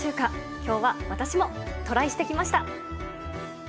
きょうは私もトライしてきました。